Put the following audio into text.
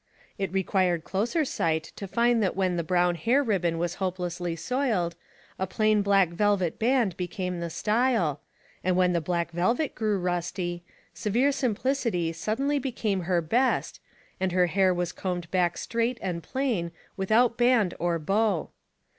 It required closer sight to find that when the brown hair ribbon was hopelessly soiled, a plain black velvet band became the style, and when the black velvet grew ruaty, severe simplicity suddenly became her best, and her hair was combed back straight and plain without band or bow.